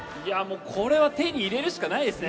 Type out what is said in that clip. これは手に入れるしかないですね